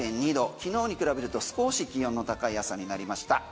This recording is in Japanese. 昨日に比べると少し気温の高い朝になりました。